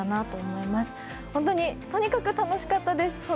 とにかく楽しかったです。